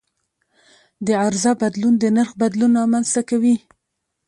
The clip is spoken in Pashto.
د عرضه بدلون د نرخ بدلون رامنځته کوي.